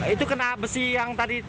itu kena besi yang tadi